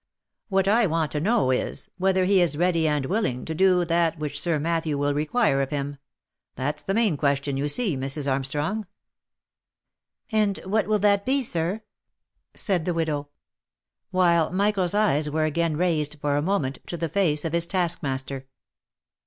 What I want to know is, whether he is ready and willing to do that which Sir Matthew will require of him — that's the main question, you see, Mrs. Armstrong." " And what v/ill that be, sir?" said the widow, while Michael's eyes were again raised for a moment to the face of his taskmaster.